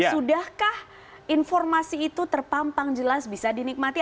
sudahkah informasi itu terpampang jelas bisa dinikmati